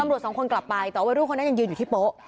สองคนกลับไปแต่ว่าวัยรุ่นคนนั้นยังยืนอยู่ที่โป๊ะ